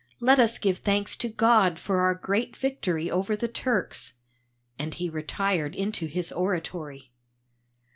Let us give thanks to God for our great victory over the Turks,' and he retired into his oratory.